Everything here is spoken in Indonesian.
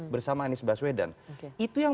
bersama anies baswedan itu yang